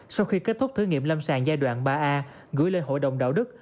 sau khi kết thúc thử nghiệm lâm sàng giai đoạn ba a gửi lên hội đồng đạo đức